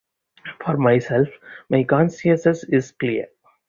For myself, my conscience is clear.